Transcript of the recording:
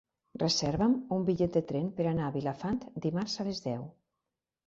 Reserva'm un bitllet de tren per anar a Vilafant dimarts a les deu.